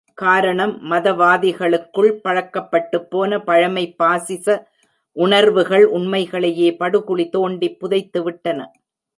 காரணம், மதவாதிகளுக்குள் பழக்கப்பட்டுப் போன பழமைப் பாசிச உணர்வுகள், உண்மைகளையே படுகுழி தோண்டிப் புதைத்துவிட்டன.